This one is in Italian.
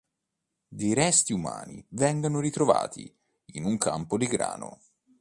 Dei resti umani vengono ritrovati in un campo di grano.